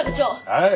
はい？